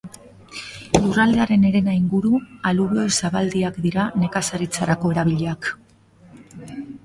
Lurraldearen herena inguru alubioi-zabaldiak dira, nekazaritzarako erabiliak.